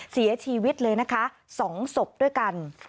เสียชีวิตเลยนะคะ๒ศพด้วยกัน